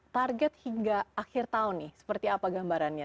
target hingga akhir tahun nih seperti apa gambarannya